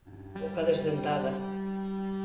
Boca desdentada.